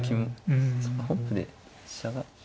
そうか本譜で飛車が。